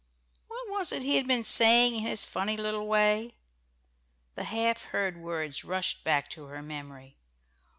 What was it he had been saying in his funny little way? The half heard words rushed back to her memory.